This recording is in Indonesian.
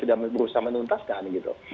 sudah berusaha menuntaskan gitu